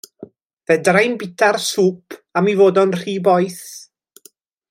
Fedrai 'im byta'r sŵp am 'i fod o'n rhy boeth.